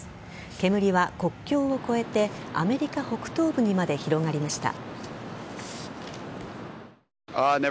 煙は国境を越えてアメリカ北東部にまで広がりました。